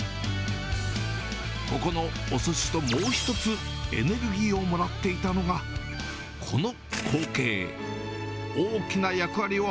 ここのおすしともう一つ、エネルギーをもらっていたのが、この光景。